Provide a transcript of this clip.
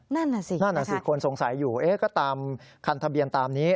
นั่นล่ะสิคนสงสัยอยู่ก็ตามคันทะเบียนตามนี้